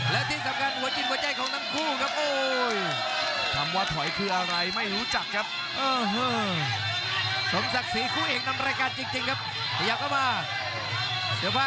และที่สำคัญเวลาจินเวลาใจของทั้งคู่ครับโอ้